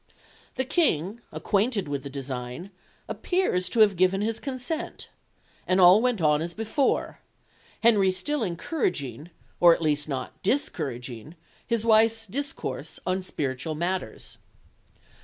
The King, acquainted with the design, appears to have given his consent, and all went on as before, Henry still encouraging, or at least not discouraging, his wife's discourse on spiritual matters.